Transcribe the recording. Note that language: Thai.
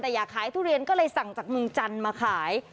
แต่อยากขายทุเรียนก็เลยสั่งจากเมืองจันทร์มาขาย